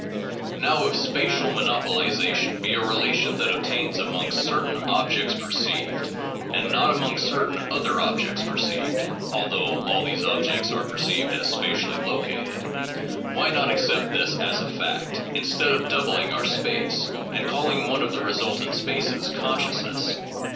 Now if spatial monopolization be a relation that obtains among certain objects perceived, and not among certain other objects perceived, although all these objects are perceived as spatially located, why not accept this as a fact, instead of doubling our space, and calling one of the resultant spaces consciousness?